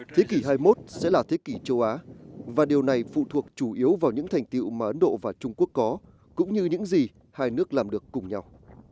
thế kỷ hai mươi một sẽ là thế kỷ châu á và điều này phụ thuộc chủ yếu vào những thành tiệu mà ấn độ và trung quốc có cũng như những gì hai nước làm được cùng nhau